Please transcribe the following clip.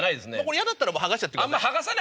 嫌だったらもう剥がしちゃってください。